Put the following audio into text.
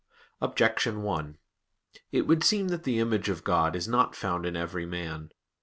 Objection 1: It would seem that the image of God is not found in every man.